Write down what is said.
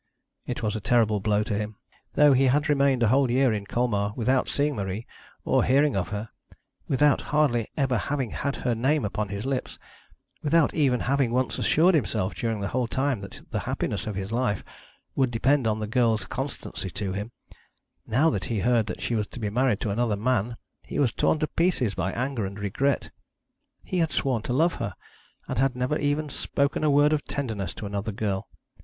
It was a terrible blow to him. Though he had remained a whole year in Colmar without seeing Marie, or hearing of her, without hardly ever having had her name upon his lips, without even having once assured himself during the whole time that the happiness of his life would depend on the girl's constancy to him, now that he heard that she was to be married to another man, he was torn to pieces by anger and regret. He had sworn to love her, and had never even spoken a word of tenderness to another girl.